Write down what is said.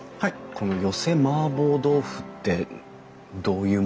この寄せ麻婆豆腐ってどういうものですかね？